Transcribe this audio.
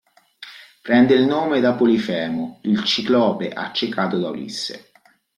Prende il nome da Polifemo, il ciclope accecato da Ulisse.